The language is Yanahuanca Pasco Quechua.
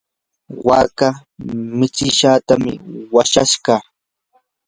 waaka millishtam wachashqa.